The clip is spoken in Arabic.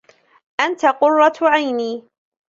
أنتَ قرة عيني.